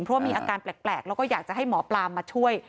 เพราะว่ามีอาการแปลกแล้วก็อยากจะให้หมอปลามาช่วย